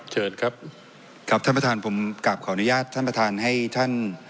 เชิญครับครับท่านประธานผมกลับขออนุญาตท่านประธานให้ท่าน